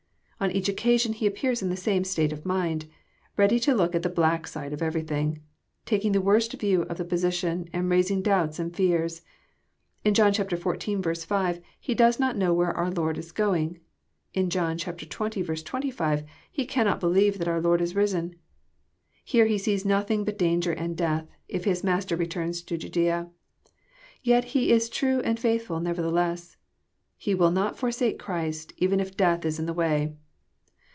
On each occasion he appears in the same state of mind, — ready to look at the black side of everything, — taking the worst view of the position, and raising doubts and fears. In John xiv. 5, he does not know where our Lord Is going. In John xx. 25, he cannot believe our Lord has risen. Here he sees nothing but danger and death, if his Master returns to Judaea. Yet he is true and faithfbl nevertheless. He will not forsake Christ, even if death is in the way.